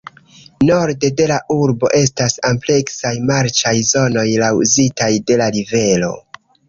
Norde de la urbo estas ampleksaj marĉaj zonoj kaŭzitaj de la rivero.